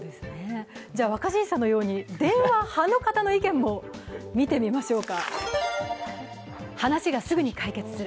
若新さんのように電話派の人の意見も見てみましょう。